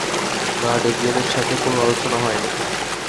না, ডেভলিনের সাথে কোন আলোচনা হয়নি।